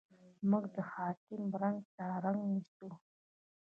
موږ د حاکم رنګ ته رنګ نیسو.